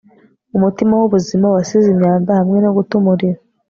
Umutima wubuzima wasize imyanda hamwe no guta umuriro